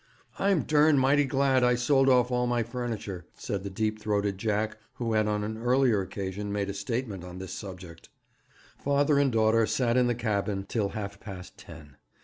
'I'm durned mighty glad I sold off all my furniture,' said the deep throated Jack who had on an early occasion made a statement on this subject. Father and daughter sat in the cabin till half past ten.